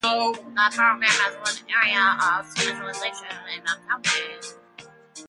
The program has one area of specialization in accounting.